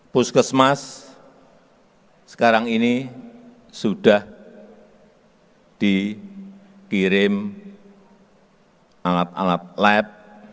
puskesmas sekarang ini sudah dikirim alat alat lab